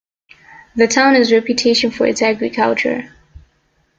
The town has reputation for its agriculture.